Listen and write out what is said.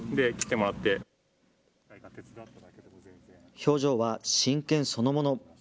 表情は真剣そのもの。